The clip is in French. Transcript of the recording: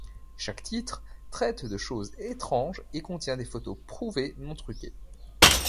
Chaque titre traite de choses étranges et contient des photos prouvés non-truquées.